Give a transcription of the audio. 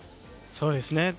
そうですね。